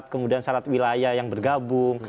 kemudian syarat wilayah yang bergabung